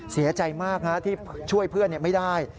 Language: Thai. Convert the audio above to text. เสียใจมากที่ช่วยเพื่อนไม่ได้